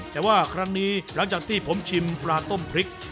แต่ว่าครั้งนี้หลังจากที่ผมชิมปลาต้มพริก